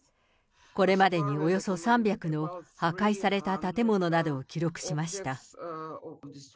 これまでにおよそ３００の破壊された建物などを記録しました。